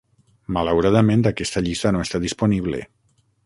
Malauradament, aquesta llista no està disponible.